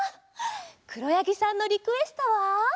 くろやぎさんのリクエストは？